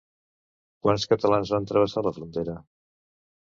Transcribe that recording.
Quants catalans van travessar la frontera?